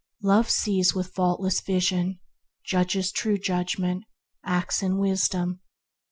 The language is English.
Love sees with faultless vision, judges with true judgment, acts in wisdom.